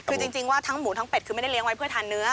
คือจริงว่าทั้งหมูทั้งเป็ดคือไม่ได้เลี้ยงไว้เพื่อทานเนื้อ